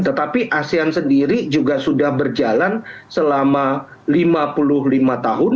tetapi asean sendiri juga sudah berjalan selama lima puluh lima tahun